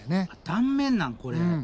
断面なんこれ！？